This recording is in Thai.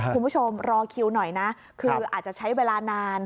คุณผู้ชมรอคิวหน่อยนะคืออาจจะใช้เวลานาน